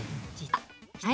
はい。